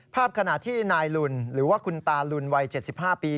ขณะที่นายลุนหรือว่าคุณตาลุนวัย๗๕ปี